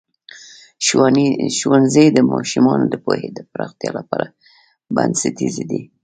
ښوونځی د ماشومانو د پوهې د پراختیا لپاره بنسټیز دی.